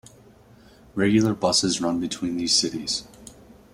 Regular buses run between these cities.